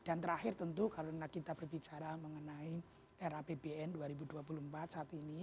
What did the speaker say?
terakhir tentu karena kita berbicara mengenai rapbn dua ribu dua puluh empat saat ini